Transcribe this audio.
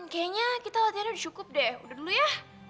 kayaknya kita latihannya udah cukup deh udah dulu ya